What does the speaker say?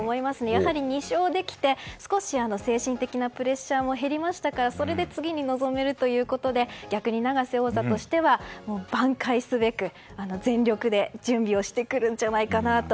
やはり２勝できて少し精神的なプレッシャーも減りましたから、それで次に臨めるということで逆に永瀬王座としては挽回すべく全力で準備してくるんじゃないかと。